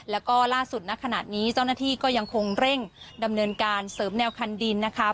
แล้วก็ล่าสุดณขณะนี้เจ้าหน้าที่ก็ยังคงเร่งดำเนินการเสริมแนวคันดินนะคะ